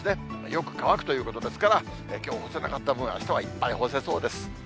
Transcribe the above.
よく乾くということですから、きょう干せなかった分、あしたはいっぱい干せそうです。